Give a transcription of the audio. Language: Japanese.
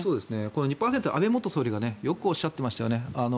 この２％、安倍元総理がよくおっしゃってましたよね。